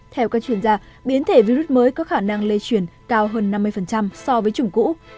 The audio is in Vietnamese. theo các chuyên gia biến thể virus mới có khả năng lây chuyển cao hơn năm mươi so với chủng cũ